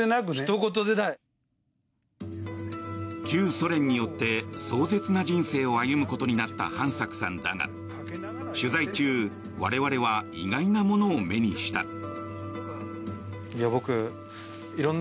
旧ソ連によって壮絶な人生を歩むことになった飯作さんだが取材中、我々は意外なものを目にした。